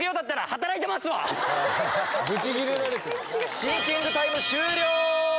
・シンキングタイム終了。